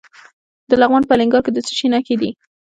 د لغمان په الینګار کې د څه شي نښې دي؟